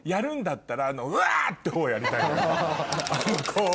ってほうをやりたいのよ。